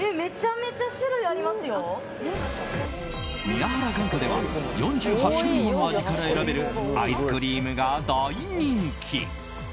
宮原眼科では４８種類もの味から選べるアイスクリームが大人気。